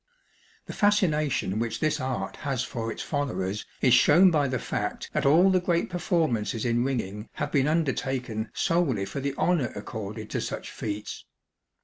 The fascination which this art has for its followers is shewn by the fact that all the great performances in ringing have been undertaken solely for the honour accorded to such feats.